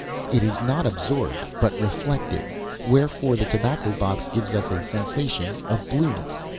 It is not absorbed, but reflected. Wherefore the tobacco box gives us a sensation of blueness.